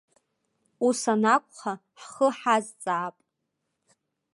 Ус анакәха, ҳхы ҳазҵаап.